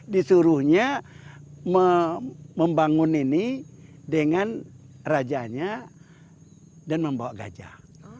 disuruhnya membangun ini dengan rajanya dan membawa gajah